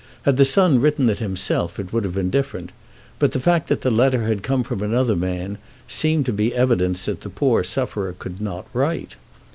Had the son written himself it would have been different; but the fact that the letter had come from another man seemed to be evidence that the poor sufferer could not write.